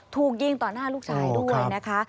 ถูกยิงต่อหน้าลูกชายด้วยนะคะ